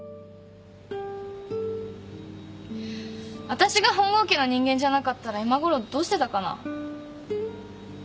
わたしが本郷家の人間じゃなかったら今ごろどうしてたかな。